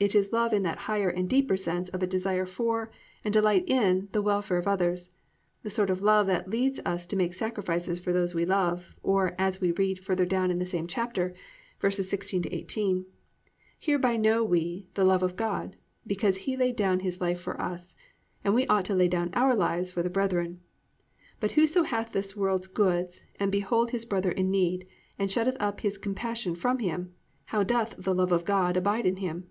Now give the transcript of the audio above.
It is love in that higher and deeper sense of a desire for and delight in the welfare of others, the sort of love that leads us to make sacrifices for those we love, or as we read further down in this same chapter, verses 16 18, +"Hereby know we the love of God, because he laid down his life for us and we ought to lay down our lives for the brethren. But whoso hath this world's goods, and behold his brother in need, and shutteth up his compassion from him, how doth the love of God abide in him?